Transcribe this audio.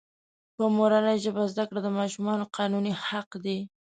په مورنۍ ژبه زده کړه دماشومانو قانوني حق دی.